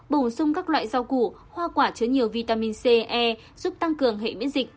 bổ sung các loại rau củ hoa quả chứa nhiều vitamin c e giúp tăng cường hệ miễn dịch